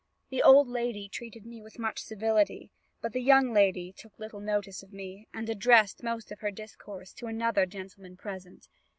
The old lady treated me with much civility, but the young lady took little notice of me, and addressed most of her discourse to another gentleman present.